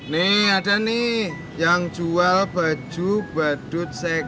nih ada nih yang jual baju badut